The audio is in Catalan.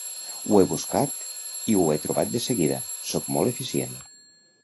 Ho he buscat i ho he trobat de seguida, sóc molt eficient